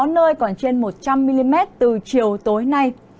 nơi còn trên một trăm linh mm từ chiều tối nay